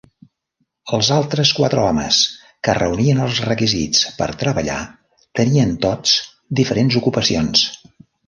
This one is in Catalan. Els altres quatre homes que reunien els requisits per treballar tenien tots diferents ocupacions.